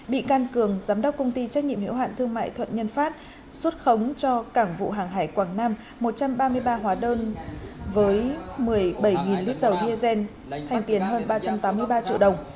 bị can cường giám đốc công ty trách nhiệm hiệu hạn thương mại thuận nhân pháp xuất khống cho cảng vụ hàng hải quảng nam một trăm ba mươi ba hóa đơn với một mươi bảy lít dầu diesel thành tiền hơn ba trăm tám mươi ba triệu đồng